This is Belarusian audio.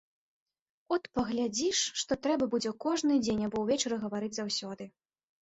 От паглядзіш, што трэба будзе кожны дзень або ўвечары гаварыць заўсёды.